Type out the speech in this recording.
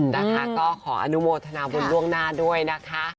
นะคะก็ขออนุโมทนาบุญล่วงหน้าด้วยนะคะ